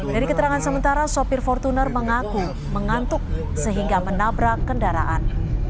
dari keterangan sementara sopir fortuner mengaku mengantuk sehingga menabrak kendaraan